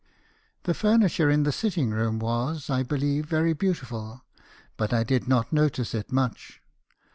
The furniture in the sitting rooms was , I be lieve, very beautiful, but I did not notice it much.